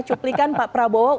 cuplikan pak prabowo